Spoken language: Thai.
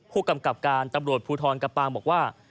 ผู้กำกับการตำรวจภูทรกะปางบอกว่า